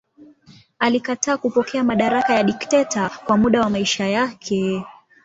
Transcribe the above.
Alikataa kupokea madaraka ya dikteta kwa muda wa maisha yake.